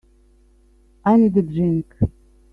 I need a drink.